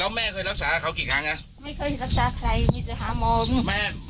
แล้วแม่เคยรักษาเขากี่ครั้งน่ะไม่เคยรักษาใครไม่จะหาหมอ